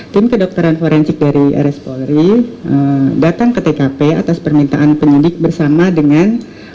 tim kedokteran forensik dari rs polri datang ke tkp atas permintaan penyidik bersama dengan